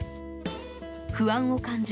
不安を感じ